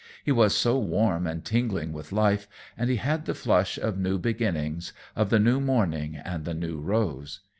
He was so warm and tingling with life, and he had the flush of new beginnings, of the new morning and the new rose.